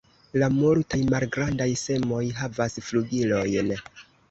La multaj malgrandaj semoj havas flugilojn.